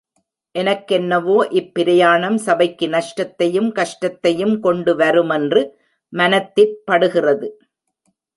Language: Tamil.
எனக்கென்னவோ, இப் பிரயாணம் சபைக்கு நஷ்டத்தையும் கஷ்டத்தையும் கொண்டு வருமென்று மனத்திற்படுகிறது.